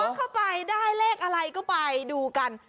ล้วงเข้าไปได้แลกอะไรก็ไปดูกัน